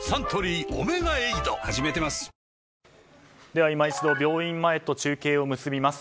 では今一度、病院前と中継を結びます。